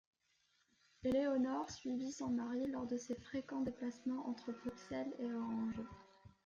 Éléonore suivit son mari lors de ses fréquents déplacements entre Bruxelles et Orange.